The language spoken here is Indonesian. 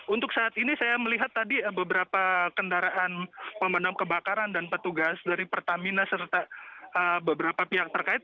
untuk saat ini saya melihat tadi beberapa kendaraan pemandang kebakaran dan petugas dari pertamina serta beberapa pihak terkait